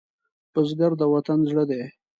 بزګر د وطن زړه دی